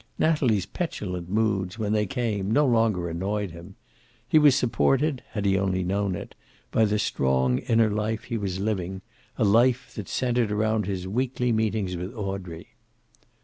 Natalie's petulant moods, when they came, no longer annoyed him. He was supported, had he only known it, by the strong inner life he was living, a life that centered about his weekly meetings with Audrey.